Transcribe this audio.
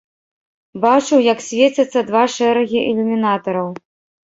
Бачыў, як свецяцца два шэрагі ілюмінатараў.